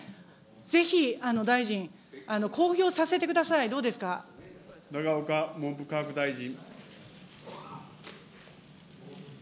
ぜひ、大臣、公表させてください、永岡文部科学大臣。